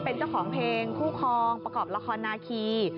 เป็นเจ้าของเพลงคู่คลองประกอบละครนาคี